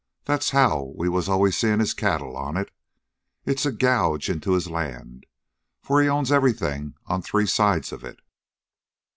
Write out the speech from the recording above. That's how we was always seein' his cattle on it. It's a gouge into his land, for he owns everything on three sides of it.